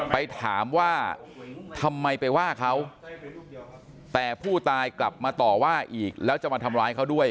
ไปถามว่าทำไมไปว่าเขาแต่ผู้ตายกลับมาต่อว่าอีกแล้วจะมาทำร้ายเขาด้วย